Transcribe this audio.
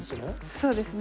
そうですね。